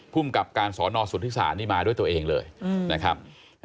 ภูมิกับการสอนอสุทธิศาสนี่มาด้วยตัวเองเลยนะครับ